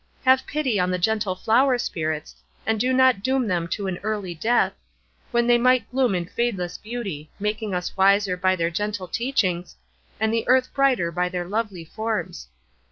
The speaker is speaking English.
Have pity on the gentle flower spirits, and do not doom them to an early death, when they might bloom in fadeless beauty, making us wiser by their gentle teachings, and the earth brighter by their lovely forms.